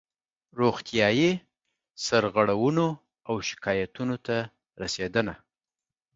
روغتیایي سرغړونو او شکایاتونو ته رسېدنه